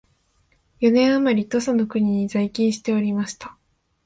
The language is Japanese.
四年あまり土佐の国に在勤しておりました